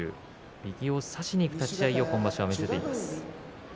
右を差しにいく立ち合いを今場所は見せています。